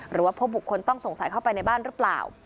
หรือว่าพบบุคคลต้องสงสัยเข้าไปในบ้านหรือเปล่า